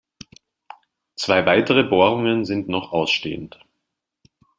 Zwei weitere Bohrungen sind noch ausstehend.